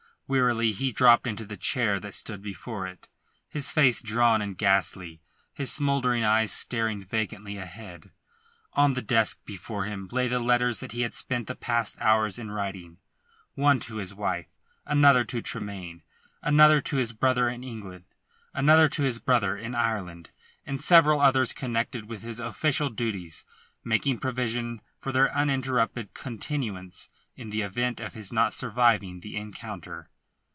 Wearily he dropped into the chair that stood before it, his face drawn and ghastly, his smouldering eyes staring vacantly ahead. On the desk before him lay the letters that he had spent the past hours in writing one to his wife; another to Tremayne; another to his brother in Ireland; and several others connected with his official duties, making provision for their uninterrupted continuance in the event of his not surviving the encounter.